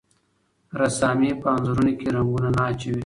رسامي په انځورونو کې رنګونه نه اچوي.